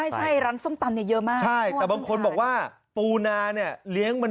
ใช้น้ำปราป่าเลี้ยง